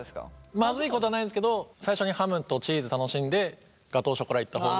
まずいことはないですけど最初にハムとチーズ楽しんでガトーショコラいった方が。